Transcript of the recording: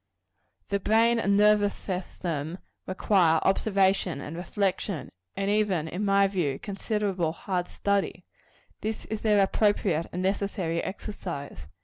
The brain and nervous system require observation and reflection; and even, in my view, considerable hard study. This is their appropriate and necessary exercise.